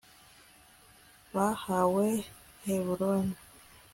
bahawe heburoni